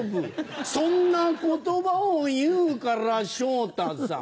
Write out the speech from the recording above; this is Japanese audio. そんな言葉を言うから昇太さん